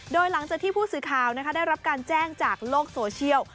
โดยหลังจากที่ผู้สื่อข่าวได้รับการแจ้งจากโลกโซเชียล